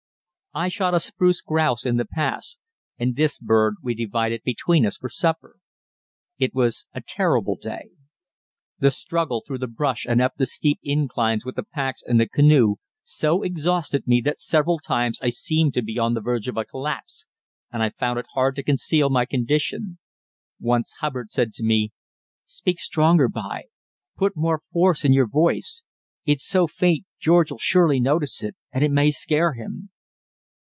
I shot a spruce grouse in the pass, and this bird we divided between us for supper. It was a terrible day. The struggle through the brush and up the steep inclines with the packs and the canoe so exhausted me that several times I seemed to be on the verge of a collapse, and I found it hard to conceal my condition. Once Hubbard said to me: "Speak stronger, b'y. Put more force in your voice. It's so faint George'll surely notice it, and it may scare him."